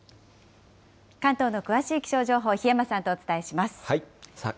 関東の詳しい気象情報、檜山さんとお伝えします。